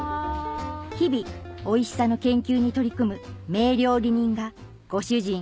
日々おいしさの研究に取り組む名料理人がご主人